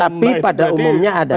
tapi pada umumnya adalah